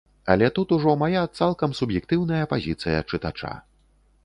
Але тут ужо мая цалкам суб'ектыўная пазіцыя чытача.